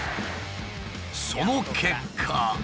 その結果。